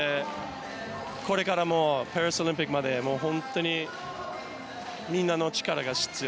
これからもパリオリンピックまで本当にみんなの力が必要。